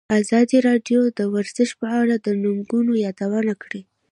ازادي راډیو د ورزش په اړه د ننګونو یادونه کړې.